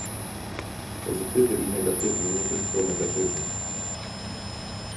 pozytywy i negatywy, nie tylko negatywy